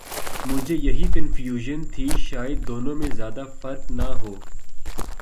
مجھے یہی کنفیوژن تھی شاید دونوں میں زیادہ فرق نہ ہو۔۔